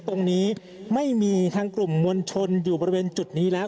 ตรงนี้ไม่มีทางกลุ่มมวลชนอยู่บริเวณจุดนี้แล้ว